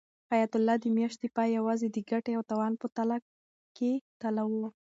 حیات الله د میاشتې پای یوازې د ګټې او تاوان په تله کې تلاوه.